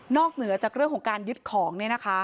นอกเหนือจากเรื่องของการยึดของนี่นะคะ